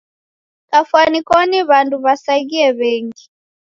Kafwani koni w'andu w'asaghie w'engi.